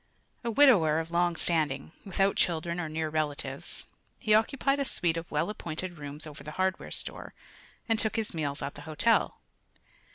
A widower of long standing, without children or near relatives, he occupied a suite of well appointed rooms over the hardware store and took his meals at the hotel.